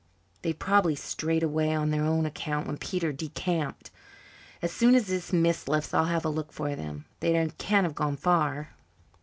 They've probably strayed away on their own account when Peter decamped. As soon as this mist lifts I'll have a look for them. They can't have gone far."